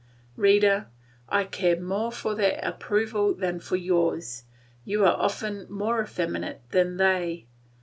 Reader, I care more for their approval than for yours; you are often more effeminate than they.